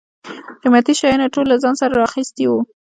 قیمتي شیان یې ټول له ځان سره را اخیستي و.